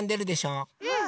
うん！